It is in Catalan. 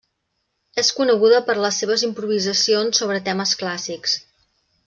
És coneguda per les seves improvisacions sobre temes clàssics.